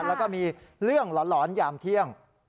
แล้วก็มีเรื่องหลอนยามเที่ยง